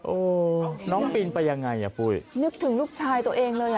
โอ้โหน้องปีนไปยังไงอ่ะปุ้ยนึกถึงลูกชายตัวเองเลยอ่ะ